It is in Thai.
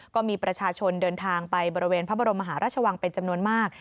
ก็มีประชาชนเดินทางไปบริเวณพระบรมมหาราชวังเป็นจำนวนมาก